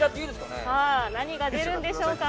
何が出るんでしょうか。